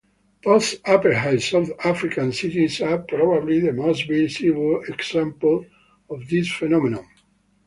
Post-apartheid South African cities are probably the most visible example of this phenomenon.